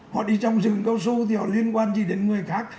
họ đi trong rừng cao su thì họ liên quan gì đến người khác